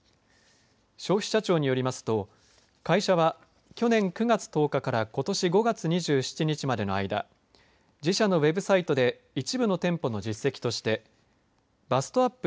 消費者庁によりますと会社は去年９月１０日からことし５月２７日までの間自社のＷＥＢサイトで一部の店舗の実績としてバストアップ